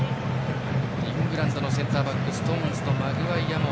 イングランドのセンターバック、ストーンズとマグワイアも。